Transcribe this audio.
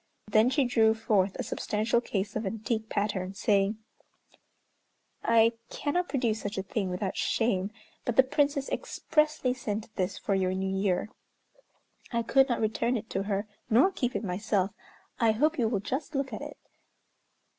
Then she drew forth a substantial case of antique pattern, saying, "I cannot produce such a thing without shame, but the Princess expressly sent this for your New Year. I could not return it to her nor keep it myself; I hope you will just look at it."